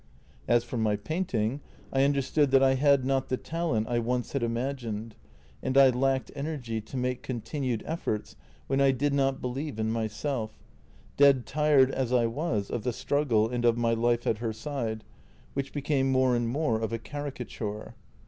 " As for my painting, I understood that I had not the talent I once had imagined, and I lacked energy to make continued efforts when I did not believe in myself — dead tired as I was of the struggle and of my life at her side, which became more and more of a caricature.